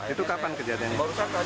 itu kapan kejadiannya